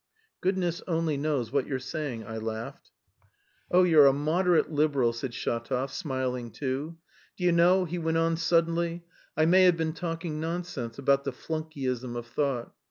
"Goodness only knows what you're saying," I laughed. "Oh, you're a 'moderate liberal,'" said Shatov, smiling too. "Do you know," he went on suddenly, "I may have been talking nonsense about the 'flunkeyism of thought.'